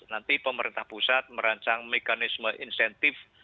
nanti pemerintah pusat merancang mekanisme insentif